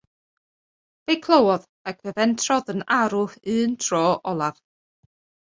Fe'i clywodd ac fe fentrodd yn arw un tro olaf.